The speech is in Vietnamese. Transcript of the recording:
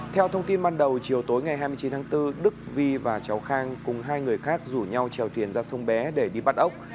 theo thông tin ban đầu chiều tối ngày hai mươi chín tháng bốn đức vi và cháu khang cùng hai người khác rủ nhau trèo thuyền ra sông bé để đi bắt ốc